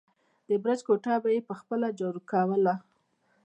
د برج کوټه به يې په خپله جارو کوله.